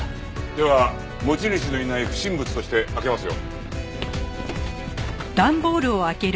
では持ち主のいない不審物として開けますよ。